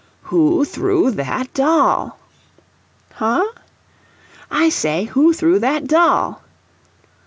"Who threw that doll?" "Huh?" "I say, who threw that doll?"